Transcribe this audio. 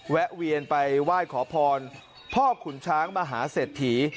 แวะเวียนไปไหว้ขอพรพ่อขุนช้างมหาเศรษฐี